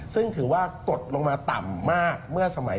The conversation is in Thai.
ซึ่งถือว่ากฎลงมาต่ำมาก